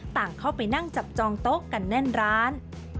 ต่างเข้าไปนั่งจับจองโต๊ะกันแน่นร้าน